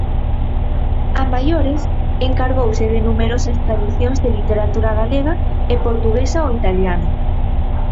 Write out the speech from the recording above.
A maiores, encargouse de numerosas traducións de literatura galega e portuguesa ao italiano.